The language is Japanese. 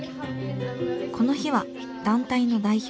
この日は団体の代表